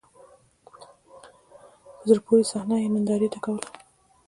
په زړه پوري صحنه یې نندارې ته کوله.